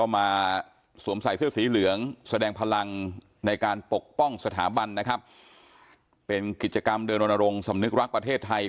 แสดงพลังในการปกป้องสถาบันนะครับเป็นกิจกรรมเดินลงสำนึกรักประเทศไทย